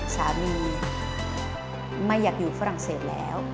สามีไม่อยากอยู่ฝรั่งเศสแล้ว